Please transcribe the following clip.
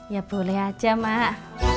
ya boleh aja mak